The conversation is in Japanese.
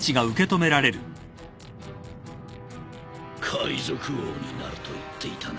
海賊王になると言っていたな。